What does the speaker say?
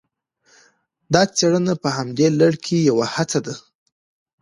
دا څېړنه په همدې لړ کې یوه هڅه ده